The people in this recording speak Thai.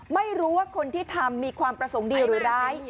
ไม่รู้ว่าคนที่ทำมีความประสงค์ดีหรือร้าย